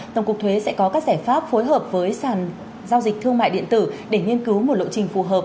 tổng cục thuế sẽ có các giải pháp phối hợp với sàn giao dịch thương mại điện tử để nghiên cứu một lộ trình phù hợp